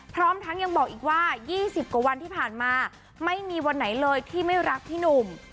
พร้อมทั้งยังบอกอีกว่า๒๐กว่าวันที่ผ่านมาไม่มีวันไหนเลยที่ไม่รักพี่หนุ่ม